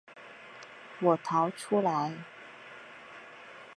我逃出来